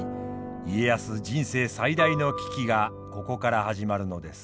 家康人生最大の危機がここから始まるのです。